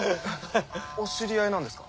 お知り合いなんですか？